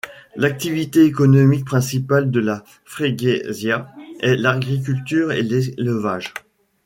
L'activité économique principale de la freguesia est l'agriculture et l'élevage.